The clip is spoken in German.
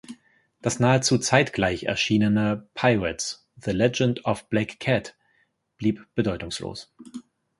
Das nahezu zeitgleich erschienene "Pirates: The Legend of Black Kat" blieb bedeutungslos.